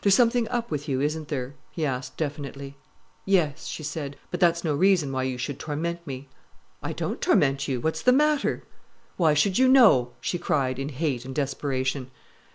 "There's something up with you, isn't there?" he asked definitely. "Yes," she said, "but that's no reason why you should torment me." "I don't torment you. What's the matter?" "Why should you know?" she cried, in hate and desperation.